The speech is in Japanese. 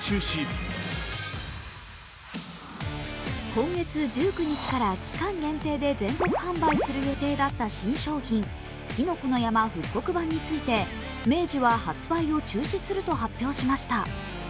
今月１９日から期間限定で全国販売する予定だった新商品、きのこの山復刻版について明治は発売を中止すると発表しました。